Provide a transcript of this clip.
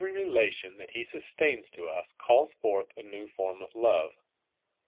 * Every relation that He sustains to us calls forth a new form of love.